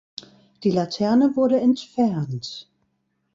Die Laterne wurde entfernt.